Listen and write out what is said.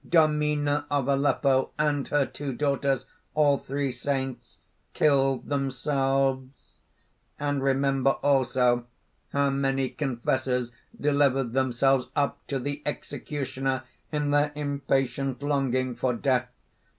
Dommina of Aleppo and her two daughters all three saints killed themselves: and remember also how many confessors delivered themselves up to the executioner in their impatient longing for death!